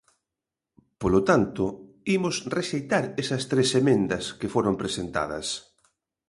Polo tanto, imos rexeitar esas tres emendas que foron presentadas.